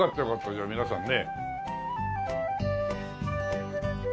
じゃあ皆さんね。